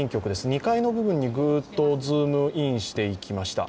２階の部分にズームインしていきました。